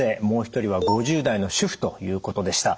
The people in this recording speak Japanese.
もう一人は５０代の主婦ということでした。